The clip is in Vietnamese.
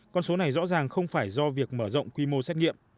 con số này rõ ràng không phải do việc mở rộng quy mô xét nghiệm